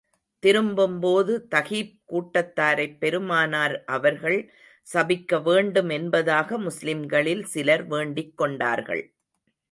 திரும்பும் போது, தகீப் கூட்டத்தாரைப் பெருமானார் அவர்கள் சபிக்க வேண்டும் என்பதாக முஸ்லிம்களில் சிலர் வேண்டிக் கொண்டார்கள்.